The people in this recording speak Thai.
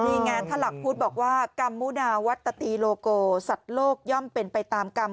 นี่ไงท่านหลักพุทธบอกว่ากรรมมุนาวัตตีโลโกสัตว์โลกย่อมเป็นไปตามกรรม